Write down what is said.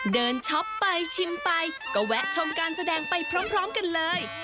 ช็อปไปชิมไปก็แวะชมการแสดงไปพร้อมกันเลย